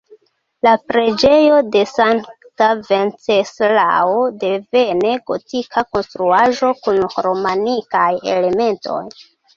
La preĝejo de sankta Venceslao, devene gotika konstruaĵo kun romanikaj elementoj.